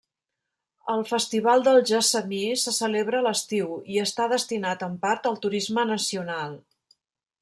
El festival del gessamí se celebra l'estiu i està destinat en part al turisme nacional.